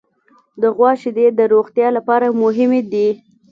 د غوا شیدې د روغتیا لپاره مهمې دي.